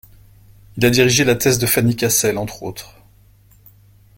Il a dirigé la thèse de Fanny Kassel, entre autres.